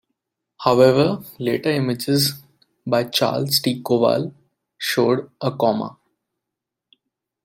However, later images by Charles T. Kowal showed a coma.